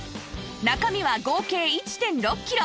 中身は合計 １．６ キロ